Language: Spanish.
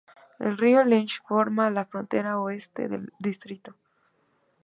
El río Lech forma la frontera Oeste del distrito.